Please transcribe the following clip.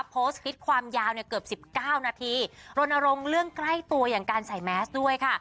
โพสต์คลิปความยาวเนี่ยเกือบสิบเก้านาทีรณรงค์เรื่องใกล้ตัวอย่างการใส่แมสด้วยค่ะ